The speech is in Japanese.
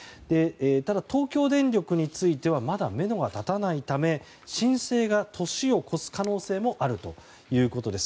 ただ、東京電力についてはまだめどが立たないため申請が年を越す可能性もあるということです。